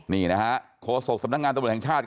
นี่นะคะโครสกศัพท์สำนักงานตำรวจแห่งชาติ